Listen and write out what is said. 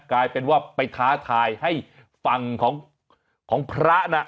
กลายเป็นว่าไปท้าทายให้ฝั่งของพระน่ะ